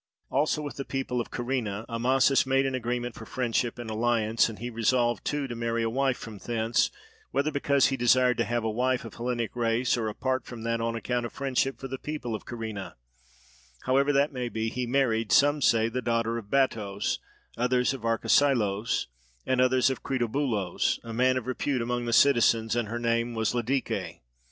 Also with the people of Kyrene Amasis made an agreement for friendship and alliance; and he resolved too to marry a wife from thence, whether because he desired to have a wife of Hellenic race, or, apart from that, on account of friendship for the people of Kyrene: however that may be, he married, some say the daughter of Battos, others of Arkesilaos, and others of Critobulos, a man of repute among the citizens; and her name was Ladike.